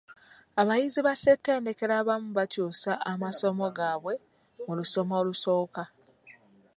Abayizi ba ssettendekero abamu bakyusa amasomo gaabwe mu lusoma olusooka.